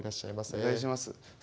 お願いします。